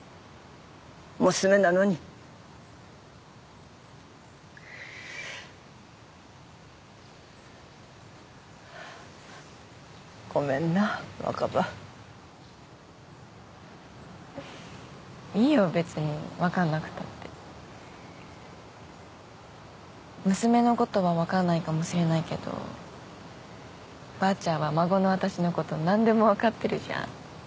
娘なのにごめんな若葉いいよ別にわかんなくたって娘のことはわからないかもしれないけどばあちゃんは孫の私のことなんでもわかってるじゃん